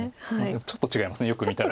ちょっと違いますねよく見たら。